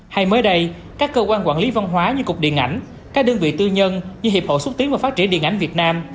hay mới đây các cơ quan quản lý văn hóa như cục điện ảnh các đơn vị tư nhân như hiệp hội xuất tiến và phát triển điện ảnh việt nam